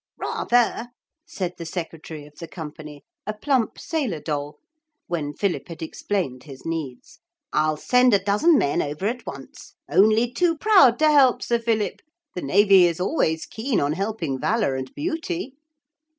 'Rather,' said the secretary of the company, a plump sailor doll, when Philip had explained his needs. 'I'll send a dozen men over at once. Only too proud to help, Sir Philip. The navy is always keen on helping valour and beauty.'